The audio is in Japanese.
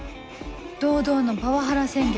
堂々のパワハラ宣言